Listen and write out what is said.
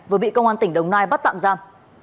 vừa bị công an tỉnh đồng nai bắt tạm giam